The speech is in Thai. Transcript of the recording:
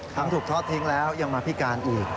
ถูกทอดทิ้งแล้วยังมาพิการอีก